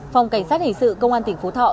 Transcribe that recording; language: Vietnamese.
phòng cảnh sát hình sự công an tỉnh phú thọ